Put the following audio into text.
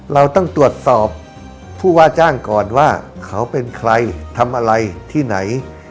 เราต้องตรวจสอบผู้ว่าจ้างก่อนว่าเขาเป็นใครทำอะไรที่ไหน